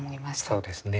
そうですね。